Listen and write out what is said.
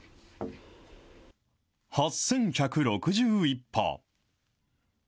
８１６１歩。